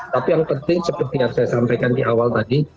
tapi yang penting seperti yang saya sampaikan di awal tadi